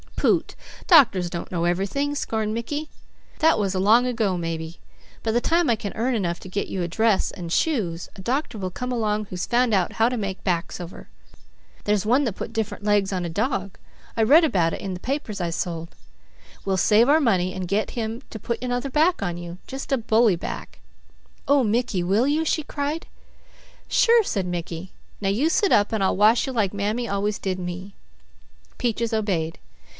"Poot! Doctors don't know everything," scorned Mickey. "That was long ago, maybe. By the time I can earn enough to get you a dress and shoes, a doctor will come along who's found out how to make backs over. There's one that put different legs on a dog. I read about it in the papers I sold. We'll save our money and get him to put another back on you. Just a bully back." "Oh Mickey, will you?" she cried. "Sure!" said Mickey. "Now you sit up and I'll wash you like Mammy always did me." Peaches obeyed.